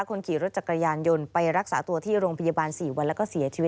คนขี่รถจักรยานยนต์ไปรักษาตัวที่โรงพยาบาล๔วันแล้วก็เสียชีวิต